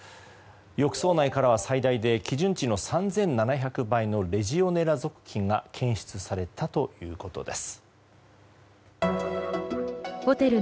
浴槽内からは最大で基準値の３７００倍のレジオネラ属菌が検出されたということです。